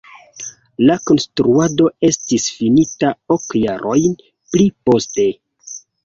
La konstruado estis finita ok jarojn pli poste.